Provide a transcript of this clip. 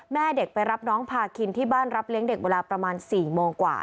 แม่เด็กไปรับน้องพาคินที่บ้านรับเลี้ยงเด็กเวลาประมาณ๔โมงกว่า